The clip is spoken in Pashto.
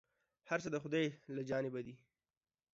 هر څه د خداى له جانبه دي ،